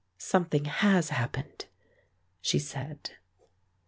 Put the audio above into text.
"Something has happened," she said.